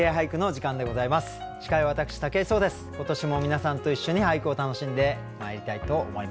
今年も皆さんと一緒に俳句を楽しんでまいりたいと思います。